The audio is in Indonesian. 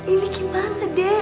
ini gimana dek